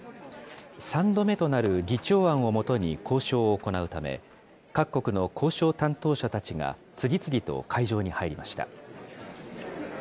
３度目となる議長案をもとに交渉を行うため、各国の交渉担当者たちが次々と会場に入りました。